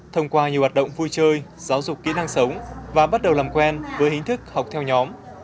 thông qua nhiều hoạt động vui chơi giáo dục kỹ năng sống và bắt đầu làm quen với hình thức học theo nhóm